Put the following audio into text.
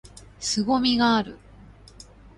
凄みがある！！！！